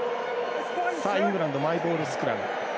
イングランドマイボールスクラム。